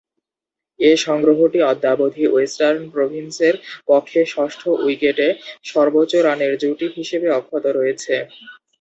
এ সংগ্রহটি অদ্যাবধি ওয়েস্টার্ন প্রভিন্সের পক্ষে ষষ্ঠ উইকেটে সর্বোচ্চ রানের জুটি হিসেবে অক্ষত রয়েছে।